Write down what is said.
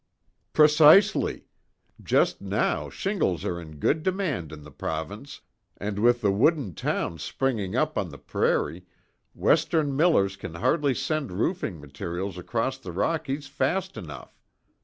"Precisely. Just now, shingles are in good demand in the Province, and with the wooden towns springing up on the prairie, Western millers can hardly send roofing material across the Rockies fast enough.